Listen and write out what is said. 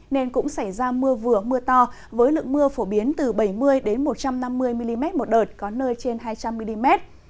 nên cũng xảy ra mưa vừa mưa to với lượng mưa phổ biến từ bảy mươi một trăm năm mươi mm một đợt có nơi trên hai trăm linh mm